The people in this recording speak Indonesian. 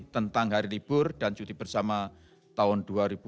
tentang hari libur dan cuti bersama tahun dua ribu dua puluh